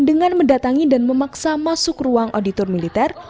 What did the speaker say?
dengan mendatangi dan memaksa masuk ruang auditor militer